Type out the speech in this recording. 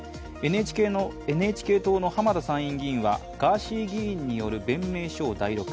ＮＨＫ党の浜田参院議員はガーシー議員による弁明書を代読。